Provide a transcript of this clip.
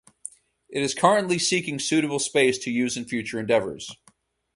It is currently seeking suitable space to use in future endeavours.